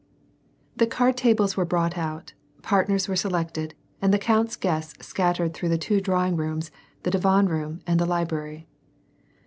The card tables were brought out, partners were selected, and the count's guests scattered through the two drawing rooms, the divan roora, and the library.